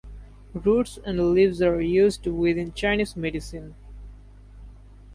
Roots and leaves are used within Chinese medicine.